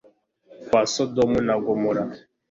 kwa Sodomu na Gomora